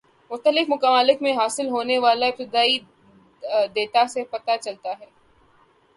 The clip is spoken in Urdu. مختلف ممالک سے حاصل ہونے والے ابتدائی دیتا سے پتہ چلتا ہے